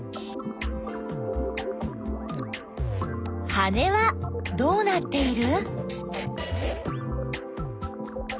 羽はどうなっている？